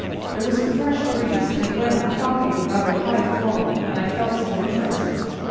There was a fresh breeze, an' he went on talking rather high flown, an' I felt some interested.